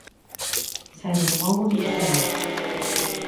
Cero, non houbo ningunha.